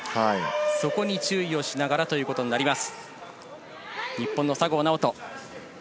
そこに注意をしながらということになります。